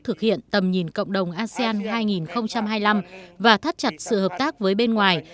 thực hiện tầm nhìn cộng đồng asean hai nghìn hai mươi năm và thắt chặt sự hợp tác với bên ngoài